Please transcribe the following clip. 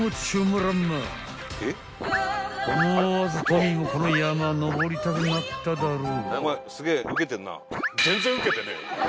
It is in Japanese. ［思わずトミーもこの山登りたくなっただろう］